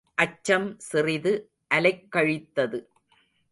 அச்சம் சிறிது அலைக்கழித்தது.